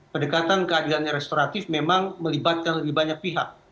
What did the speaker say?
pendekatan keadilan restoratif memang melibatkan lebih banyak pihak